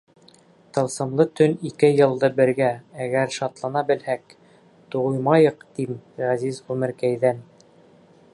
Тылсымлы төн ике йылды бергә Әгәр шатлана белһәк, Туймайыҡ, тим, ғәзиз ғүмеркәйҙән...